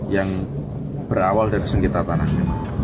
yang berawal dari sengketa tanah memang